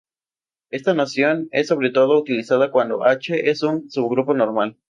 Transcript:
Esta noción es sobre todo utilizada cuando H es un subgrupo normal.